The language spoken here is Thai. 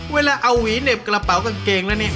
เวลาเอาหวีเหน็บกระเป๋ากางเกงแล้วเนี่ย